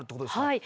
はい。